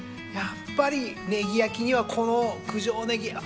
やっぱりねぎ焼きにはこの九条ネギ。